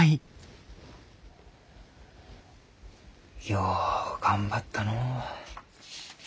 よう頑張ったのう。